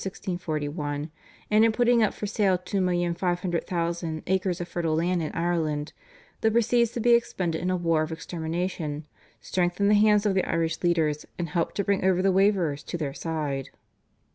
1641) and in putting up for sale two million five hundred thousand acres of fertile land in Ireland, the proceeds to be expended in a war of extermination, strengthened the hands of the Irish leaders, and helped to bring over the waverers to their side.